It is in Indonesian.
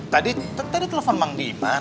tadi tadi telfon mang diman